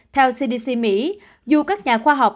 theo cdc mỹ dù các nhà khoa học